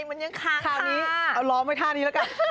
มันยังค้างคราวนี้เอาล้อมไว้ท่านี้แล้วกัน